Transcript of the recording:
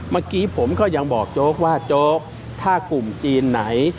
เมื่อกี้ผมก็ยังบอกโจ๊กว่าโจ๊กถ้ากลุ่มจีนไหน